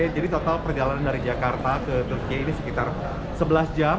jadi total perjalanan dari jakarta ke turkiye ini sekitar sebelas jam